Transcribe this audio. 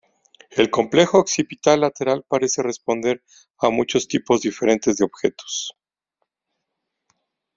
El complejo occipital lateral parece responder a muchos tipos diferentes de objetos.